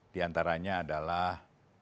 di antaranya adalah